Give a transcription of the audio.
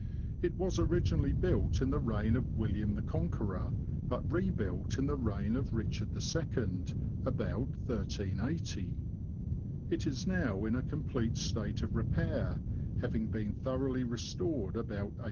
It was originally built in the reign of William the Conqueror, but rebuilt in the reign of Richard II. (about 1380). It is now in a com plete state of repair, having been thoroughly restored about 1870.